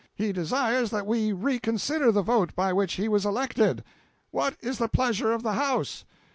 He desires that we reconsider the vote by which he was elected. What is the pleasure of the house?"